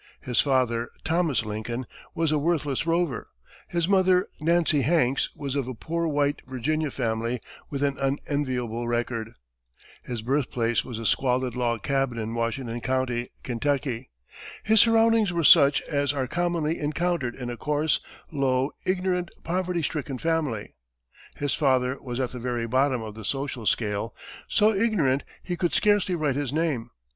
His father, Thomas Lincoln, was a worthless rover; his mother, Nancy Hanks, was of a "poor white" Virginia family with an unenviable record. His birthplace was a squalid log cabin in Washington County, Kentucky. His surroundings were such as are commonly encountered in a coarse, low, ignorant, poverty stricken family. His father was at the very bottom of the social scale, so ignorant he could scarcely write his name.